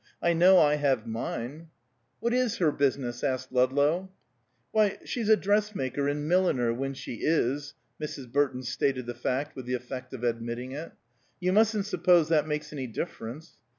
"I know I have mine." "What is her business?" asked Ludlow. "Well, she's a dressmaker and milliner when she is." Mrs. Burton stated the fact with the effect of admitting it. "You mustn't suppose that makes any difference.